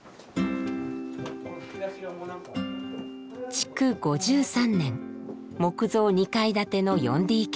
築５３年木造２階建ての４ＤＫ。